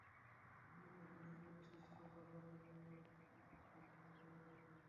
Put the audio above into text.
শূন্য থেকে নিজ গুণে শীর্ষে পৌঁছানোর অনন্য দৃষ্টান্ত স্থাপন করেছেন তিনি।